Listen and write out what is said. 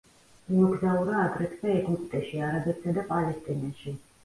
იმოგზაურა აგრეთვე ეგვიპტეში, არაბეთსა და პალესტინაში.